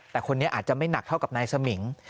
แต่คนนี้อาจจะไม่หนักเท่ากับนายสมิง